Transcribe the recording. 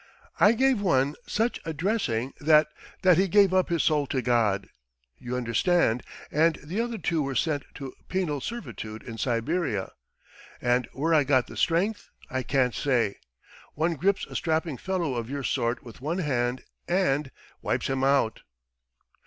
I gave one such a dressing that. .. that he gave up his soul to God, you understand, and the other two were sent to penal servitude in Siberia. And where I got the strength I can't say. ... One grips a strapping fellow of your sort with one hand and ... wipes him out."